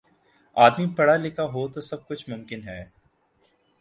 آدمی پڑھا لکھا ہو تو سب کچھ ممکن ہے